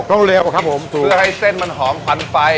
เร็วครับผมถูกเพื่อให้เส้นมันหอมควันไฟ